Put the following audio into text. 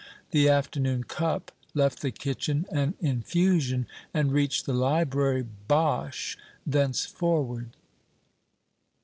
The afternoon cup left the kitchen an infusion, and reached the library "bosh" thenceforward.